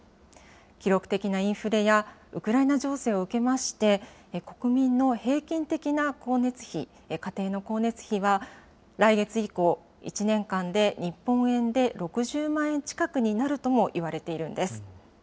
記録的なインフレやウクライナ情勢を受けまして、国民の平均的な光熱費、家庭の光熱費は、来月以降、１年間で日本円で６０万円近くになるともいわれているんです。